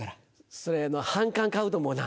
それ反感買うと思うなぁ。